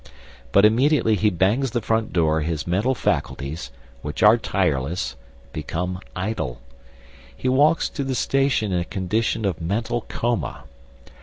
But immediately he bangs the front door his mental faculties, which are tireless, become idle. He walks to the station in a condition of mental coma.